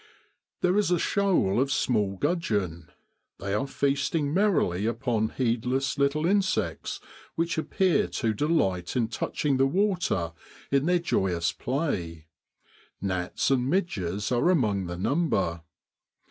There is a shoal of small gudgeon; they are feasting merrily upon heedless little insects which appear to delight in touching the water in their joy ous play: gnats and midges are among the number.